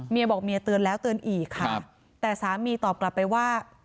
บอกเมียเตือนแล้วเตือนอีกค่ะแต่สามีตอบกลับไปว่า